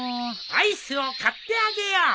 アイスを買ってあげよう。